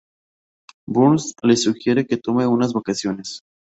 Burns le sugiere que tome unas vacaciones.